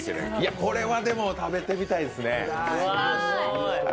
これはでも、食べてみたいですね。